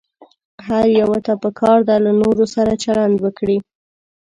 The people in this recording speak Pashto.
هر يوه ته پکار ده له نورو سره چلند وکړي.